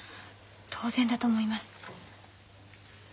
当然だと思います。